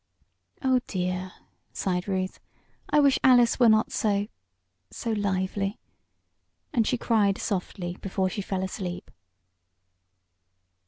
"Oh, dear!" sighed Ruth. "I wish Alice were not so so lively" and she cried softly before she fell asleep.